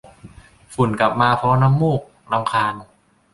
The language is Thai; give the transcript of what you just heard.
ฝุ่นกลับมาพร้อมน้ำมูก รำคาญ